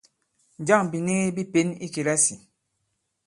Njâŋ bìnigi bi pěn i kìlasì ?